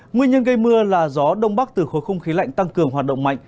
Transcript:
nguyên nhân gây mưa là gió đông bắc từ khối không khí lạnh tăng cường hoạt động mạnh